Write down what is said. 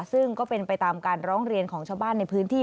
ซึ่งก็เป็นไปตามการร้องเรียนของชาวบ้านในพื้นที่